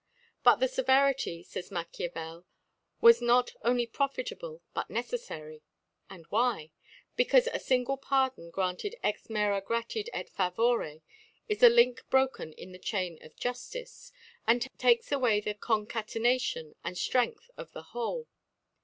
* But the Severity, fays Machiavel, • was not only profitable but neceffary ;^ and why ? Becaufe a fingle Pardon granted ex mera Gratia 6f Favore^ is a Link broken in the Chain of Juftice, and takes away the Concatenation and Strength of the whole.